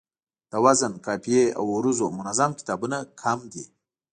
د وزن، قافیې او عروضو منظم کتابونه کم دي